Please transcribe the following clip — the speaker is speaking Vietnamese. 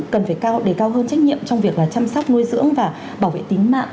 cần phải đề cao hơn trách nhiệm trong việc là chăm sóc nuôi dưỡng và bảo vệ tính mạng